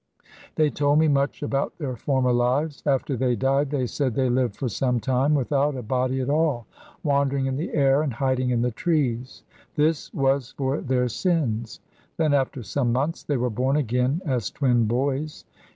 They told me much about their former lives. After they died they said they lived for some time without a body at all, wandering in the air and hiding in the trees. This was for their sins. Then, after some months, they were born again as twin boys.